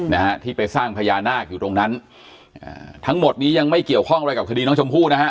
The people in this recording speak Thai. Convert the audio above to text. นะฮะที่ไปสร้างพญานาคอยู่ตรงนั้นอ่าทั้งหมดนี้ยังไม่เกี่ยวข้องอะไรกับคดีน้องชมพู่นะฮะ